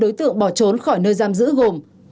đối tượng bỏ trốn khỏi nơi giam giữ gồm